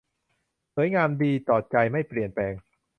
สวยงามดีต่อใจไม่เปลี่ยนแปลง